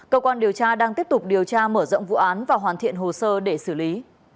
cơ quan điều tra đang tiếp tục điều tra mở rộng vụ án và hoàn thiện hồ sơ để xử lý